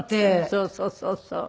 そうそうそうそう。